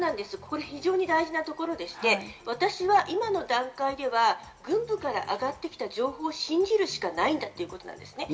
これ非常に大事なところで、私は今の段階では軍部から上がってきた情報を信じるしかないんだということです。